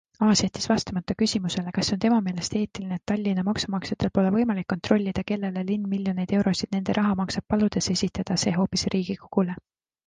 Aas jättis vastamata küsimusele, kas see on tema meelest eetiline, et Tallinna maksumaksjatel pole võimalik kontrollida, kellele linn miljoneid eurosid nende raha maksab, paludes esitada see hoopis riigikogule.